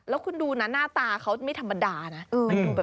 แล้วคุณดูนะหน้าตาเขาไม่ธรรมดานะ